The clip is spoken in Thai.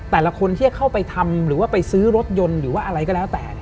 แต่ละคนที่จะเข้าไปทำหรือว่าไปซื้อรถยนต์หรือว่าอะไรก็แล้วแต่